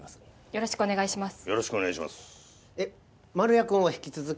よろしくお願いします！